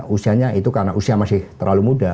usianya itu karena usia masih terlalu muda